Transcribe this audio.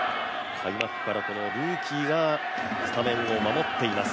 開幕からこのルーキーがスタメンを守っています。